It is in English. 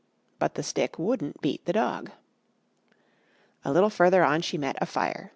But the stick wouldn't beat the dog. A little further on she met a fire.